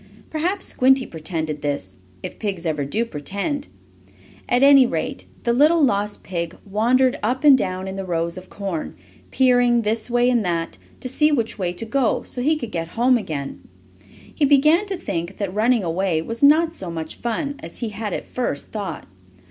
Perhaps Squinty pretended this, if pigs ever do pretend. At any rate the little lost pig wandered up and down in the rows of corn, peering this way and that, to see which way to go so he could get home again. He began to think that running away was not so much fun as he had at first thought.